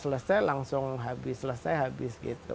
selesai langsung habis selesai habis gitu